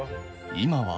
今は？